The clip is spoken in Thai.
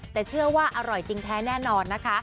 แต่เชื่อว่าอร่อยจริงแท้แน่นอนนะคะ